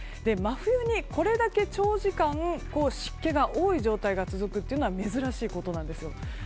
真冬にこれだけ長時間湿気が多い状態が続くというのは珍しいことなんです。